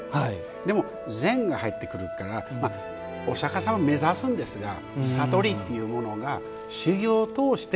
でも、禅が入ってくるからお釈迦様を目指すんですが悟りというものが修行を通して。